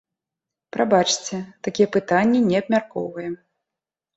Прабачце, такія пытанні не абмяркоўваем.